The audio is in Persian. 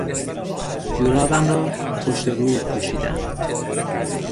جورابم را پشت و رو پوشیدم.